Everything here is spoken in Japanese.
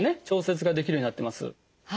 調節ができるようになってます。